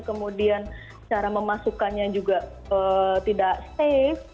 kemudian cara memasukkannya juga tidak safe